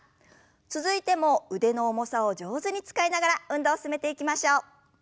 続いても腕の重さを上手に使いながら運動を進めていきましょう。